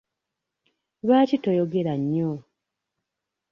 Lwaki toyogera nnyo?